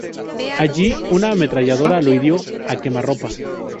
Allí una ametralladora lo hirió a quemarropa.